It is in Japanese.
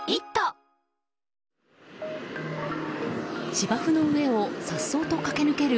芝生の上を颯爽と駆け抜ける